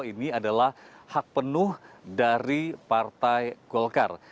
ini adalah hak penuh dari partai golkar